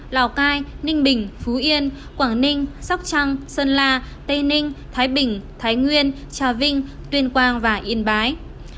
lào cai ninh bình phú yên quảng ninh sóc trăng sơn la tây ninh thái bình thái nguyên trà vinh tuyên quang và yên bái